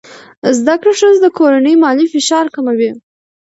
زده کړه ښځه د کورنۍ مالي فشار کموي.